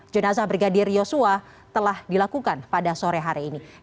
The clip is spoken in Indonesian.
jenazah brigadir yosua telah dilakukan pada sore hari ini